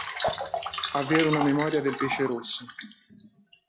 Avere una memoria del pesce rosso.